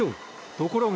ところが。